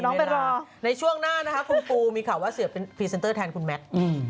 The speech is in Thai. ในช่วงหน้านะครับครูปูมีข่าวว่าเสือกเป็นพรีเซนเตอร์แทนคุณแม็ค